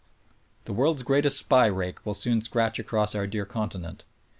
The world's greatest SPY rake will soon scratch across our dear continent.